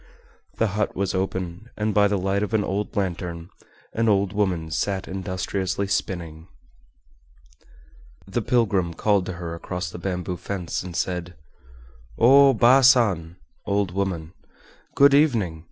The hut was open, and by the light of an old lantern an old woman sat industriously spinning. The pilgrim called to her across the bamboo fence and said: "O Baa San (old woman), good evening!